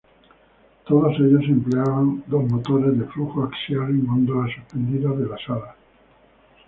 Todos ellos empleaban dos motores de flujo axial en góndolas suspendidas de las alas.